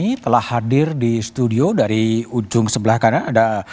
bisje terhadir di studio dari ujung sebelah kanan